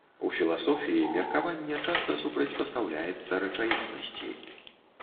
У філасофіі меркаванне часта супрацьпастаўляецца рэчаіснасці.